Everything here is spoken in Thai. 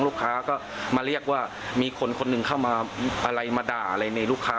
ลูกค้าก็มาเรียกว่ามีคนคนหนึ่งเข้ามาอะไรมาด่าอะไรในลูกค้า